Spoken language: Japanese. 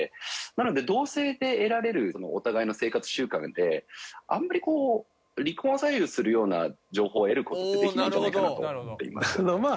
なので同棲で得られるお互いの生活習慣であんまりこう離婚を左右するような情報を得る事ってできないんじゃないかなと思っています。